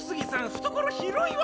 懐広いわ。